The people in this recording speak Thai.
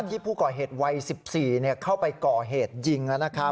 ที่ผู้ก่อเหตุวัย๑๔เข้าไปก่อเหตุยิง